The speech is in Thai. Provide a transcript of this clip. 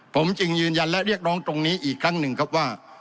ผมจึงยืนยันและเรียกร้องตรงนี้อีกครั้งหนึ่งครับว่า